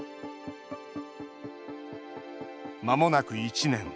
まもなく１年。